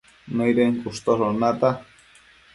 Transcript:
nëidën cushtoshon nata